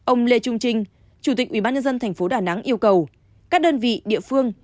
ông lê trung trinh chủ tịch ubnd thành phố đà nẵng yêu cầu các đơn vị địa phương